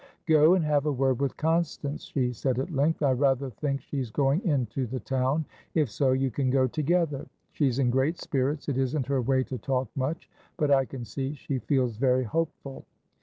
"Go and have a word with Constance," she said at length. "I rather think she's going into the town; if so, you can go together. She's in great spirits. It isn't her way to talk much, but I can see she feels very hopeful.